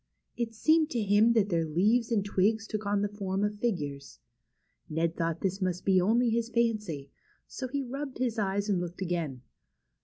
It seemed to him that their leaves and twigs took the form of figures. Ned thought this must be only his fancy, so he rubbed his eyes and looked again.